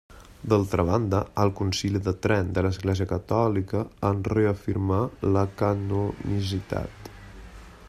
D'altra banda, el Concili de Trent de l'Església Catòlica en reafirmà la canonicitat.